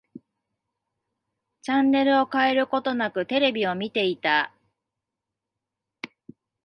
チャンネルを変えることなく、テレビを見ていた。